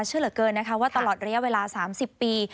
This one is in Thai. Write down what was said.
เชื่อเหลือเกินนะคะว่าตลอดระยะเวลา๓๐ปี